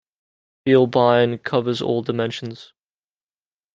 Vielbein covers all dimensions.